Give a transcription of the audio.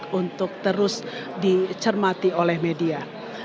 untuk terus dicermati oleh media